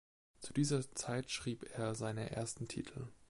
Zu dieser Zeit schrieb er seine ersten Titel.